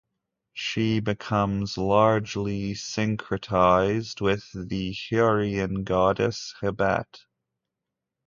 She becomes largely syncretised with the Hurrian goddess Hebat.